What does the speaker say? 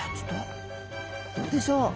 どうでしょう？